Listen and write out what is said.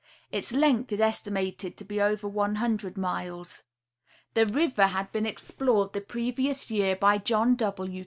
Its length is estimated to be over one hun dred miles. The river had been explored the previous year by John W.